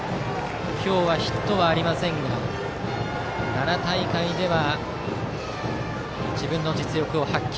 今日はヒットはありませんが奈良大会では自分の実力を発揮。